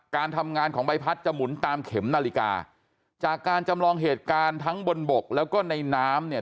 การทำงานของใบพัดจะหมุนตามเข็มนาฬิกาจากการจำลองเหตุการณ์ทั้งบนบกแล้วก็ในน้ำเนี่ย